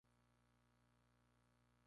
Es patrona y alcaldesa perpetua de Ronda.